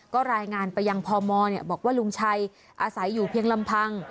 ก็รายงานไปยังพมบอกว่าลุงชัยอาศัยอยู่เพียงลำพัง